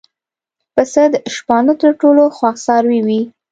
پسه د شپانه تر ټولو خوښ څاروی وي.